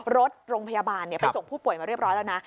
รถโรงพยาบาลไปส่งผู้ป่วยมาเรียบร้อยแล้วนะ